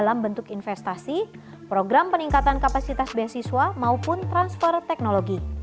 dalam bentuk investasi program peningkatan kapasitas beasiswa maupun transfer teknologi